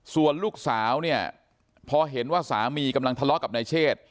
ส่วนลูกสาวเนี่ยพอเห็นว่าสามีกำลังทะเลาะกับนายเชษ